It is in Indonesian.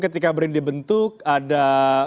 ketika brindy bentuk ada